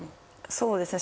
そうですね。